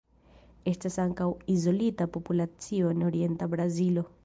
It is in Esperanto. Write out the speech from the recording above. Estas ankaŭ izolita populacio en orienta Brazilo.